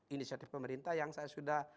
inisiatif pemerintah yang saya sudah